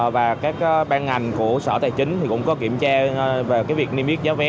và các ban ngành của sở tài chính cũng có kiểm tra về việc niêm yết giá vé